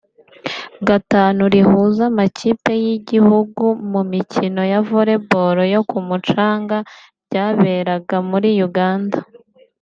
gatanu rihuza amakipe y’ibihugu mu mikino ya Volleyball yo ku mucanga (Beach Volleyball) ryaberaga muri Uganda